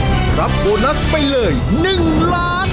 จะรับโบนัสไปเลย๑ล้านบาท